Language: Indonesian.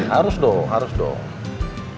harus dong harus dong